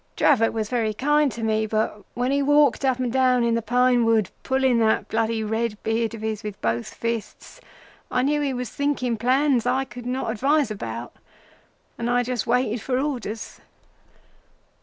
Dravot was very kind to me, but when he walked up and down in the pine wood pulling that bloody red beard of his with both fists I knew he was thinking plans I could not advise him about, and I just waited for orders.